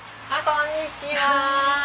こんにちは。